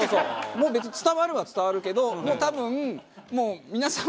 もう別に伝わるは伝わるけど多分もう皆さん